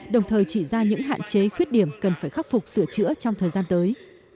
đồng thời chỉ ra những hạn chế khuyết điểm cần phải khắc phục sửa chữa trong thời gian tới